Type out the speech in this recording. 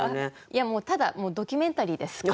いやもうただドキュメンタリーです。